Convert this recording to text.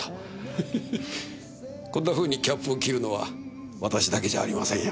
フフフこんなふうにキャップを切るのは私だけじゃありませんよ。